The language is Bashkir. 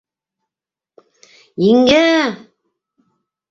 Еңгә-ә!